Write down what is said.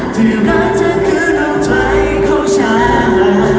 ที่รักเธอคือดวงใจของฉัน